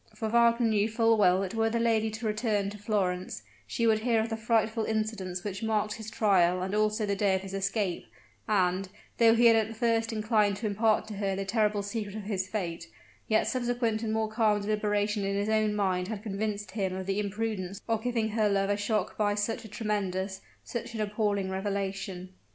For Wagner knew full well that were the lady to return to Florence, she would hear of the frightful incidents which marked his trial and also the day of his escape; and, though he had at first inclined to impart to her the terrible secret of his fate yet subsequent and more calm deliberation in his own mind had convinced him of the imprudence of giving her love a shock by such a tremendous such an appalling revelation.